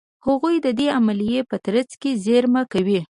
هغوی د دې عملیې په ترڅ کې زېرمه کوي.